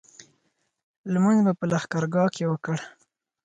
لمونځ مو په لښکرګاه کې وکړ.